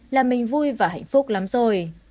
làm mình vui và hạnh phúc lắm rồi